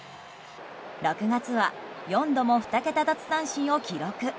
６月は４度も２桁奪三振を記録。